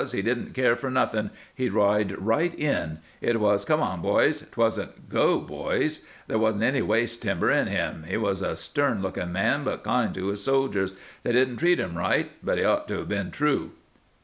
He didn't care for nothing ; he'd ride right in. It was " Come on, boys !" 'twasn't " Go, boys !"... there wasn't any waste timber in him. He was a stern look ing man but kind to his soldiers. They didn't treat him right ... but he ought to have been true.